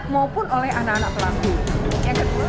maupun oleh anak anak perempuan